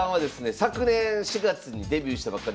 昨年４月にデビューしたばっかり。